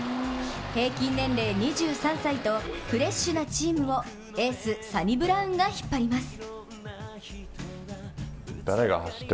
平均年齢２３歳とフレッシュなチームをエース、サニブラウンが引っ張ります。